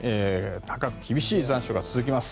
高く厳しい残暑が続きます。